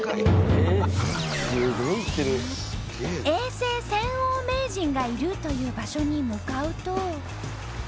永世泉王名人がいるという場所に向かうと。